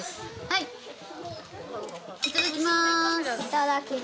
いただきます。